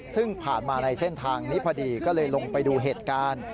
ซึ่งผ่านมาในเส้นทางนี้พอดีก็เลยลงไปดูเหตุการณ์